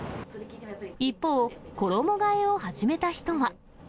一方、衣がえを始めた人は。